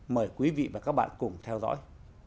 mời quý vị và các bạn cùng theo dõi